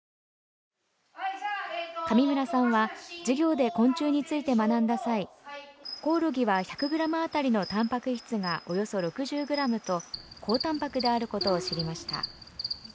上村さんは授業で昆虫について学んだ際、コオロギは１００ｇあたりのタンパク質がおよそ６０ｇと高タンパクであることを知りました。